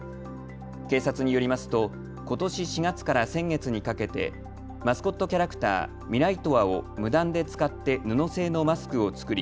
警察によりますとことし４月から先月にかけてマスコットキャラクターミライトワを無断で使って布製のマスクを作り